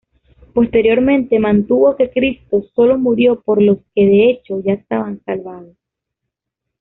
Posteriormente mantuvo que Cristo sólo murió por los que de hecho ya estaban salvados.